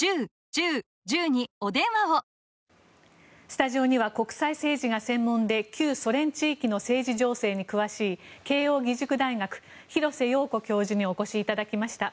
スタジオには国際政治が専門で旧ソ連地域の政治情勢に詳しい慶應義塾大学、廣瀬陽子教授にお越しいただきました。